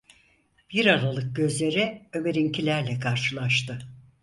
Bir aralık gözleri Ömer’inkilerle karşılaştı.